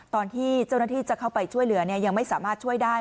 ตอนที่เจ้าหน้าที่จะเข้าไปช่วยเหลือยังไม่สามารถช่วยได้